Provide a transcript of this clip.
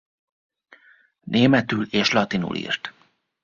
Németül és latinul írt.